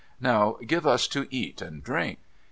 Now, give us to eat and drink.'